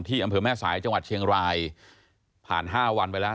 อำเภอแม่สายจังหวัดเชียงรายผ่าน๕วันไปแล้ว